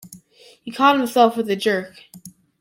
He caught himself with a jerk.